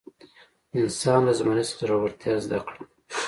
انسان له زمري څخه زړورتیا زده کړه.